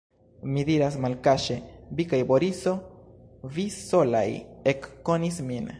Mi diras malkaŝe: vi kaj Boriso, vi solaj ekkonis min.